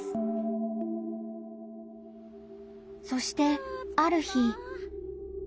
そしてある日。